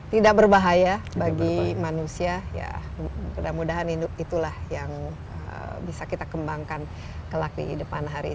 tidak berbahaya bagi manusia ya mudah mudahan itulah yang bisa kita kembangkan kelak di depan hari ini